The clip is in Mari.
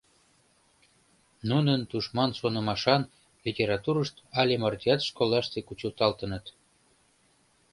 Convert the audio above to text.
Нунын тушман шонымашан литературышт але мартеат школлаште кучылталтыныт.